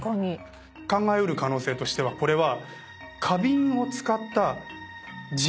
考え得る可能性としてはこれは。